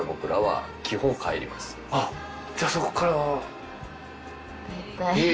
あっじゃあそこから。